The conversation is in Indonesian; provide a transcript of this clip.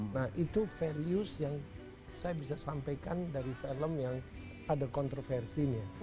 nah itu values yang saya bisa sampaikan dari film yang ada kontroversinya